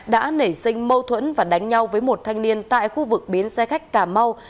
đã nảy sinh mâu thuẫn và đánh nhau với một thanh niên tại khu vực bến xe khách cà mau